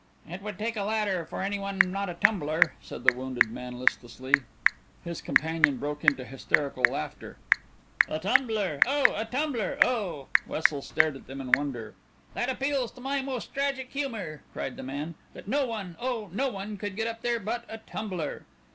"It would take a ladder for any one not a tumbler," said the wounded man listlessly. His companion broke into hysterical laughter. "A tumbler. Oh, a tumbler. Oh " Wessel stared at them in wonder. "That appeals to my most tragic humor," cried the man, "that no one oh, no one could get up there but a tumbler."